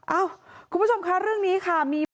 เอ้าคุณผู้ชมคะเรื่องนี้ค่ะ